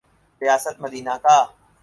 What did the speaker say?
ریاست مدینہ کا۔